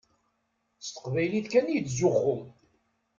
S teqbaylit kan i yettzuxxu.